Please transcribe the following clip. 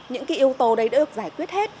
những yếu tố đấy được giải quyết hết